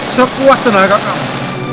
sepuah tenaga kamu